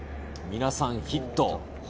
皆さんヒット。